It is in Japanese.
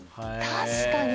確かに。